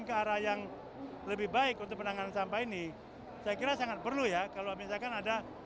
ke arah yang lebih baik untuk penanganan sampah ini saya kira sangat perlu ya kalau misalkan ada